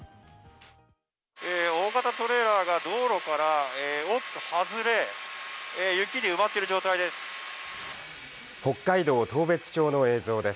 大型トレーラーが道路から大きく外れ、雪に埋まっている状態です。